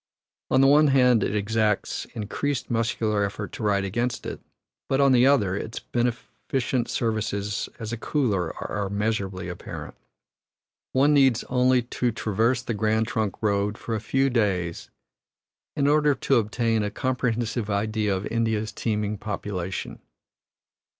On the one hand it exacts increased muscular effort to ride against it, but on the other, its beneficent services as a cooler are measurably apparent. One needs only to traverse the Grand Trunk Road for a few days in order to obtain a comprehensive idea of India's teeming population.